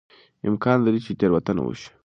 امکان لري چې تېروتنه وشي.